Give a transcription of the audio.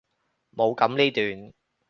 冇噉呢段！